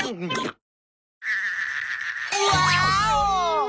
ワーオ！